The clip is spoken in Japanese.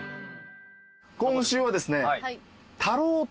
今週はですね。